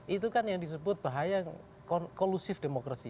itu kan yang disebut bahaya yang kolusif demokrasi